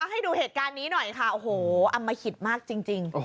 ให้ดูเหตุการณ์นี้หน่อยค่ะโอ้โหอมหิตมากจริง